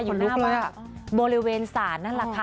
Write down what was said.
อยู่หน้าบ้านบริเวณศาลนั่นแหละค่ะ